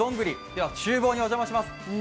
では厨房にお邪魔します。